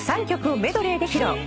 ３曲をメドレーで披露。